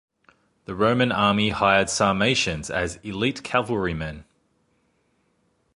The Roman army hired Sarmatians as elite cavalrymen.